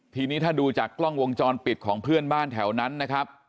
ทีนี้ถ้าดูจากกล้องวงจรปิดของเพื่อนบ้านแถวนั้นนะครับ